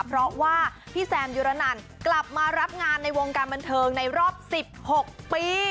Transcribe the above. เพราะว่าพี่แซมยุรนันกลับมารับงานในวงการบันเทิงในรอบ๑๖ปี